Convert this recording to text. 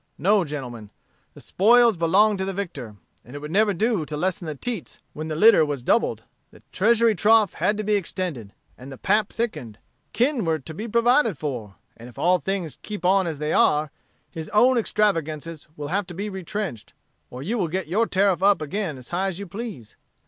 No, gentlemen; the spoils belonged to the victor; and it would never do to lessen the teats when the litter was doubled. The treasury trough had to be extended, and the pap thickened; kin were to be provided for; and if all things keep on as they are, his own extravagances will have to be retrenched, or you will get your tariff up again as high as you please.